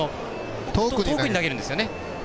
遠くに投げるんですよね。